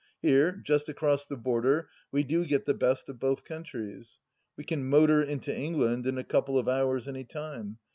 Here, just across the border, we do get the best of both countries. We can motor into England in a couple of hours any time.